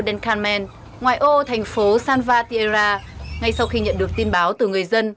denkamen ngoài ô thành phố san patiera ngay sau khi nhận được tin báo từ người dân